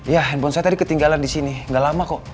ya handphone saya tadi ketinggalan disini gak lama kok